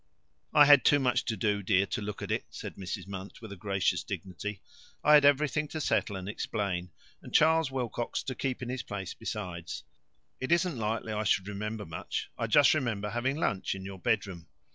" I had too much to do, dear, to look at it," said Mrs. Munt, with a gracious dignity. "I had everything to settle and explain, and Charles Wilcox to keep in his place besides. It isn't likely I should remember much. I just remember having lunch in your bedroom."